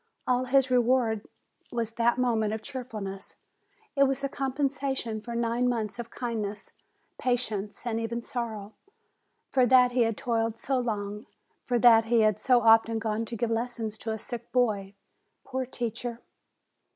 All his reward was that moment of cheerfulness, it was the compensation for nine months of kindness, patience, and even sorrow ! For that he had toiled so long ; for that he had so often gone to give lessons to a sick boy, poor teacher!